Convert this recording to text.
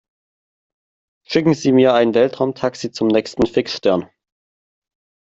Schicken Sie mir ein Weltraumtaxi zum nächsten Fixstern!